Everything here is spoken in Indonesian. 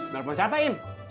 telepon siapa im